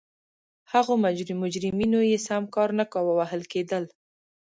هغو مجرمینو چې سم کار نه کاوه وهل کېدل.